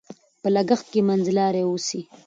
په لګښت کې منځلاري اوسئ.